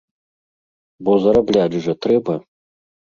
Бо зарабляць жа трэба.